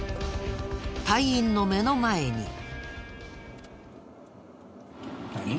隊員の目の前に。